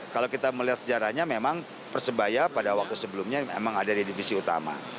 kalau kita melihat sejarahnya memang persebaya pada waktu sebelumnya memang ada di divisi utama